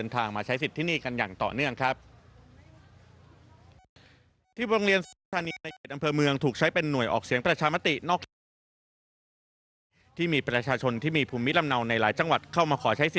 แท็บทีวีคุณเจนสักแซ่อึ้งครับ